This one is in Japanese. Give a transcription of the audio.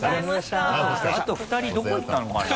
あと２人どこ行ったのかな？